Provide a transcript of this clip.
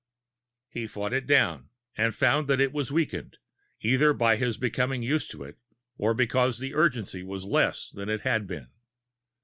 He fought it down, and found that it was weakened, either by his becoming used to it or because the urgency was less than it had been.